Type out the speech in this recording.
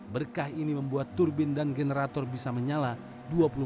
berkah ini membuat turbin dan generator bisa menyala dua puluh empat jam penuh